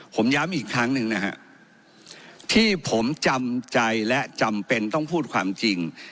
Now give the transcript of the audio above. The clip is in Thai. ผมย้ำอีกครั้งหนึ่งนะฮะที่ผมจำใจและจำเป็นต้องพูดความจริง